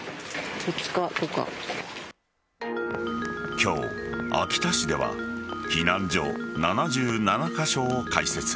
今日、秋田市では避難所７７カ所を開設。